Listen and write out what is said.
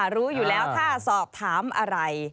รู้อยู่แล้วถ้าสอบถามอะไร